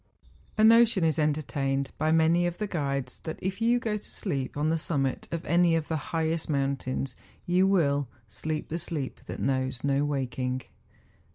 A notion is entertained by many of the guides that if you go to sleep on the summit of any of the highest mountains you will ' Sleep the sleep that knows no waking.